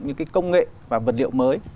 những cái công nghệ và vật liệu mới